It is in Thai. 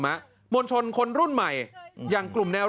มวลชนคนรุ่นใหม่อย่างกลุ่มแนว